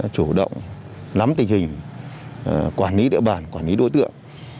chủ động nắm tình hình quản lý địa bàn quản lý đối tượng